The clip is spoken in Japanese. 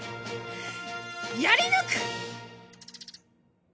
やり抜く！